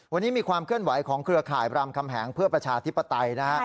วันนี้มีความเคลื่อนไหวของเครือข่ายบรามคำแหงเพื่อประชาธิปไตยนะฮะ